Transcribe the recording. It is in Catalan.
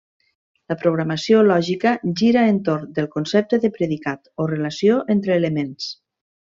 La programació lògica gira entorn del concepte de predicat, o relació entre elements.